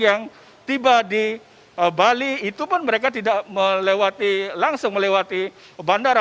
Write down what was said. yang tiba di bali itu pun mereka tidak langsung melewati bandara